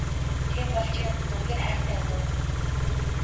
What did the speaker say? Тийм бол чи надад үнэхээр хайртай юм уу?